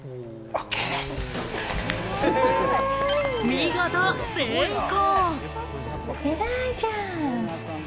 見事成功！